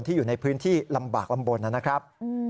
อยู่ในพื้นที่ลำบากลำบลนะครับ